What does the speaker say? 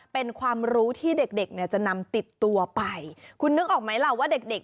เป็นความรู้ที่เด็กจะนำติดตัวไปคุณนึกออกไหมละว่าเด็ก